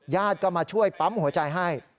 ญาติก็มาช่วยปั๊มหัวใจให้